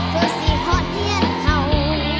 เพื่อสิหอดเย็นเผา